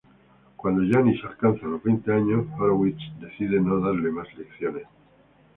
Cuando Janis alcanza los veinte años, Horowitz decide no darle más lecciones.